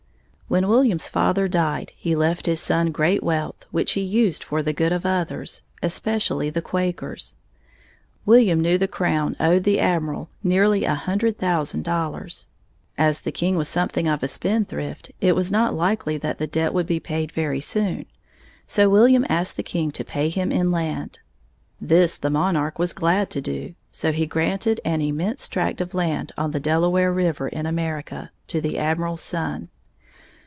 When William's father died, he left his son great wealth, which he used for the good of others, especially the Quakers. William knew the Crown owed the Admiral nearly a hundred thousand dollars. As the king was something of a spendthrift, it was not likely that the debt would be paid very soon, so William asked the king to pay him in land. This the monarch was glad to do, so he granted an immense tract of land on the Delaware River, in America, to the Admiral's son.